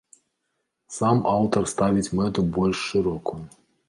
Сам аўтар ставіць мэту больш шырокую.